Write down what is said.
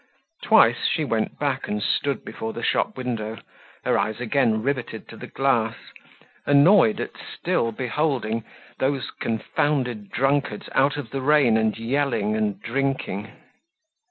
Twice she went back and stood before the shop window, her eyes again riveted to the glass, annoyed at still beholding those confounded drunkards out of the rain and yelling and drinking.